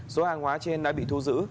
số hàng hóa trên đã bị thu giữ